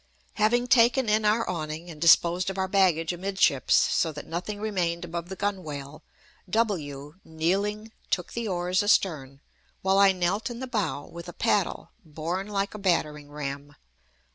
Having taken in our awning and disposed of our baggage amidships, so that nothing remained above the gunwale, W , kneeling, took the oars astern, while I knelt in the bow with the paddle borne like a battering ram.